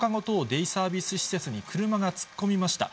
デイサービス施設に車が突っ込みました。